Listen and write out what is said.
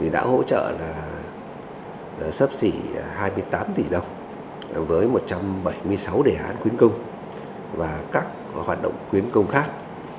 đã hỗ trợ sấp xỉ hai mươi tám tỷ đồng với một trăm bảy mươi sáu đề án khuyến công và các hoạt động quyến công khác